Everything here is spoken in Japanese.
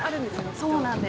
そうなんです。